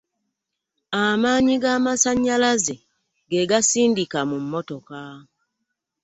Amannyi g'amasannyalaze ge gasindika mu mmotoka.